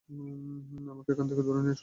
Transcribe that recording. আমাকে এখান থেকে দূরে নিয়ে চলো।